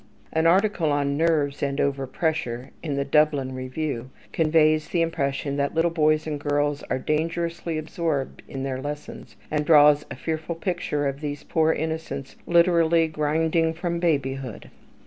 An article on "Nerves and Over Pressure" in the "Dublin Review" conveys the impression that little boys and girls are dangerously absorbed in their lessons, and draws a fearful picture of these poor innocents literally "grinding from babyhood."